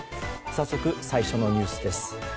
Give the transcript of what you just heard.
早速、最初のニュースです。